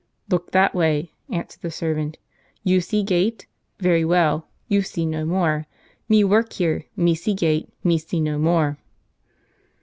" Look that way," answered the servant. " You see gate ? very well ; you see no more. Me work here, me see gate, me see no more."